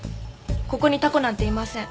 ここにタコなんていません。